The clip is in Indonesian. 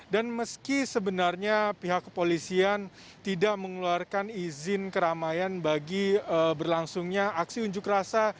dan meski sebenarnya pihak kepolisian tidak mengeluarkan izin keramaian bagi berlangsungnya aksi unjuk rasa